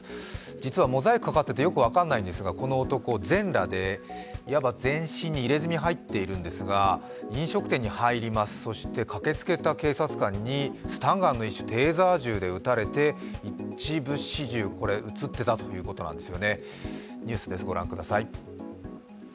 実はモザイクかかっててよく分からないんですがこの男、全裸で、全身に入れ墨が入っているんですが飲食店に入ります、そして駆けつけた警察官にスタンガンの一種、テーザー銃で撃たれて一部始終、これ映っていたということなんですね、ご覧ください。